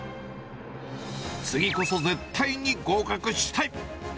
次こそ絶対に合格したい。